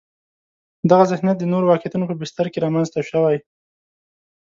دغه ذهنیت د نورو واقعیتونو په بستر کې رامنځته شوی.